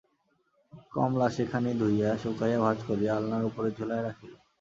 কমলা সেখানি ধুইয়া, শুকাইয়া ভাঁজ করিয়া আলনার উপরে ঝুলাইয়া রাখিল।